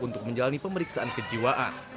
untuk menjalani pemeriksaan kejiwaan